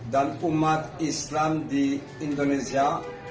dan umat islam di indonesia